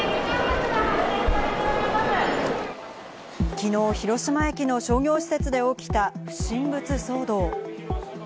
昨日、広島駅の商業施設で起きた不審物騒動。